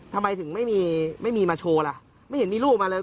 ทำไมถึงไม่มีมาโชว์ล่ะไม่เห็นมีรูปมาเลย